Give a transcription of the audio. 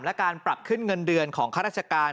และการปรับขึ้นเงินเดือนของข้าราชการ